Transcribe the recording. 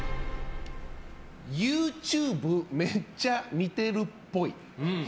ＹｏｕＴｕｂｅめっちゃ見てるっぽい。